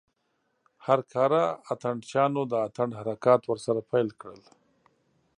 هر کاره اتڼ چيانو د اتڼ حرکات ورسره پيل کړل.